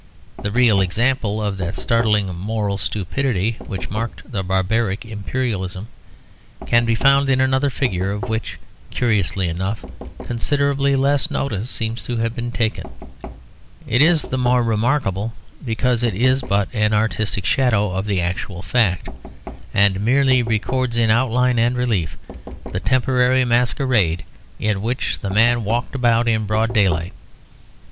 The real example of that startling moral stupidity which marked the barbaric imperialism can be found in another figure of which, curiously enough, considerably less notice seems to have been taken. It is the more remarkable because it is but an artistic shadow of the actual fact; and merely records in outline and relief the temporary masquerade in which the man walked about in broad daylight.